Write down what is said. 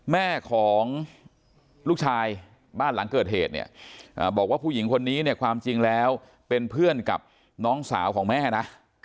แม่ของลูกชายบ้านหลังเกิดเหตุเนี่ยบอกว่าผู้หญิงคนนี้เนี่ยความจริงแล้วเป็นเพื่อนกับน้องสาวของแม่นะ